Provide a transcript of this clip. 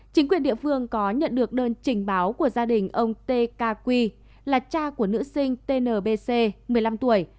chính quyền địa phương có nhận được đơn trình báo của gia đình ông t k qi là cha của nữ sinh tnbc một mươi năm tuổi